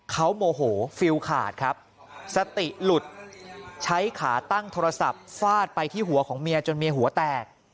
เขาโมโหฟิลขาดครับสติหลุดใช้ขาตั้งโทรศัพท์ฟาดไปที่หัวของเมียจนเมียหัวแตก